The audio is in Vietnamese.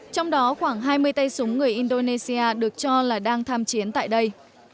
trong đó khoảng hai mươi tay súng người indonesia được cho là đang tham chiến tại đây